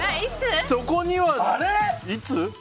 そこにはいつ？